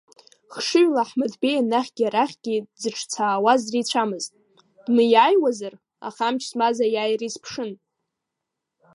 Хшыҩла Аҳмыҭбеи анахьгьы-арахьгьы дзыҿцаауаз дреицәамызт, дымиааиуазар, аха амч змаз аиааира изԥшын.